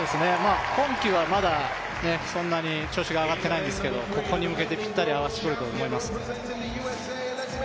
今季はまだ、そんなに調子が上がっていないんですけどここに向けてぴったり合わせてくると思います。